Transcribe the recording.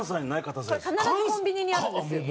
これ必ずコンビニにあるんですよ。